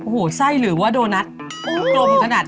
เคี้ยวเลยอร่อยมาก